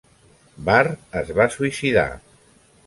Var es va suïcidar.